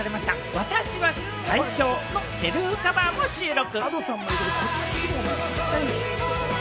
『私は最強』のセルフカバーも収録。